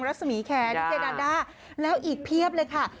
รัศมีแคร์ดีเจดาด้าแล้วอีกเพียบเลยค่ะ